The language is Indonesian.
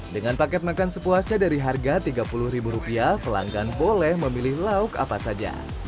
dengan paket makan sepuasnya dari harga rp tiga puluh pelanggan boleh memilih lauk apa saja